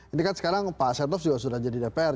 ini kan sekarang pak asyadnoff sudah jadi dpr